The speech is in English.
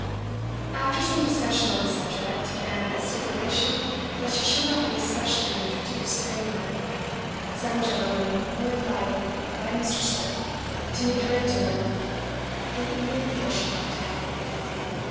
After some discussion on the subject, and a stipulation that she should not be specially introduced to any one, some gentlemen were invited by Mr. Smith to meet her at dinner the evening before she left town.